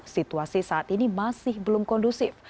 situasi saat ini masih belum kondusif